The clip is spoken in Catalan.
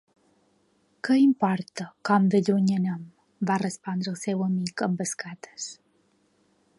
"Què importa com de lluny anem?", va respondre el seu amic amb escates.